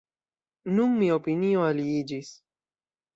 Nun mia opinio aliiĝis.